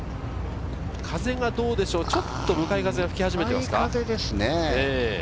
風はどうでしょう、ちょっと向かい風が吹き始めていますか。